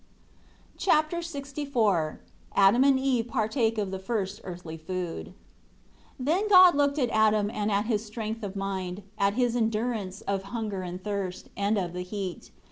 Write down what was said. Chapter LXIV Adam and Eve partake of the first earthly food. 1 Then God looked at Adam and at his strength of mind, at his endurance of hunger and thirst, and of the heat.